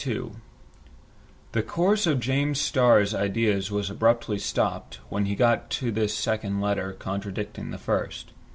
ON THE ROAD The course of James Starr's ideas was abruptly stopped, when he got this second letter contradicting the first.